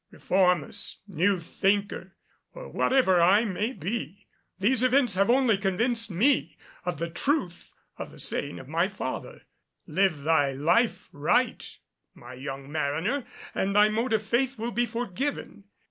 Reformist, New Thinker, or whatever I may be, these events have only convinced me of the truth of the saying of my father, "Live thy life right, my young mariner, and thy mode of faith will be forgiven."